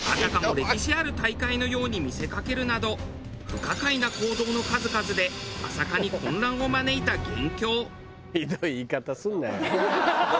歴史ある大会のように見せかけるなど不可解な行動の数々で朝霞に混乱を招いた元凶。